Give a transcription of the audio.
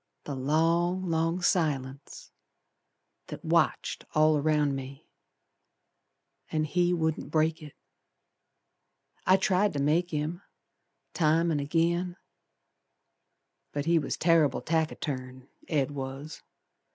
The long, long silence, That watched all around me, And he wouldn't break it. I tried to make him, Time an' agin, But he was terrible taciturn, Ed was.